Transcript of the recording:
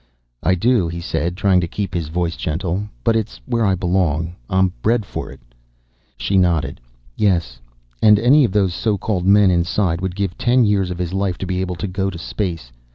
"I do," he said, trying to keep his voice gentle. "But it's where I belong. I'm bred for it." She nodded. "Yes. And any of those so called men inside would give ten years of his life to be able to go to space.